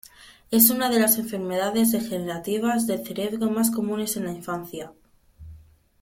Es una de las enfermedades degenerativas del cerebro más comunes en la infancia.